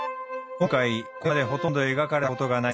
今回これまでほとんど描かれたことがない